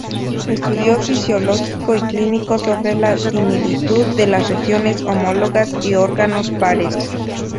Estudio fisiológico y clínico sobre la similitud de las regiones homólogas y órganos pares".